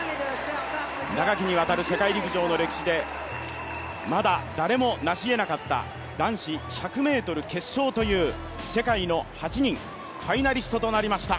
長きにわたる世界陸上の歴史でまだ誰もなしえなかった男子１００ｍ決勝という世界の８人、ファイナリストとなりました。